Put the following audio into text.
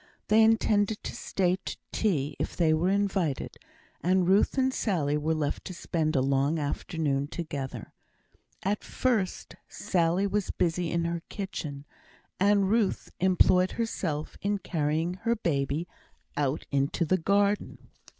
They intended to stay to tea if they were invited, and Ruth and Sally were left to spend a long afternoon together. At first, Sally was busy in her kitchen, and Ruth employed herself in carrying her baby out into the garden.